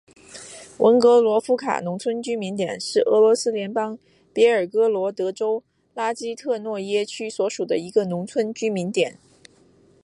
文格罗夫卡农村居民点是俄罗斯联邦别尔哥罗德州拉基特诺耶区所属的一个农村居民点。